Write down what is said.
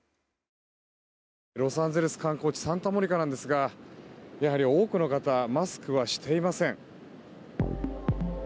ロサンゼルス観光地サンタモニカですが、やはり多くの方マスクはしていません。